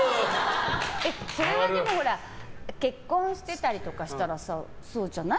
それはでもほら結婚してたりとかしたらそうじゃない？